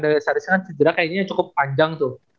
dario saric kan segera kayaknya cukup panjang tuh